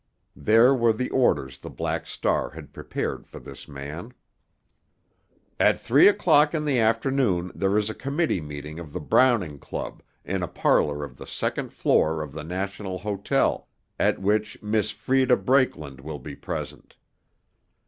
There were the orders the Black Star had prepared for this man: At three o'clock in the afternoon there is a committee meeting of the Browning Club in a parlor of the second floor of the National Hotel, at which Miss Freda Brakeland will be present.